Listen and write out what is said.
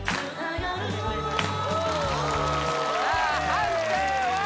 判定は？